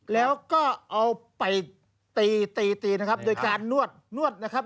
แล้วก็เอาไปตีตีตีนะครับโดยการนวดนวดนะครับ